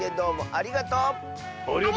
ありがとう！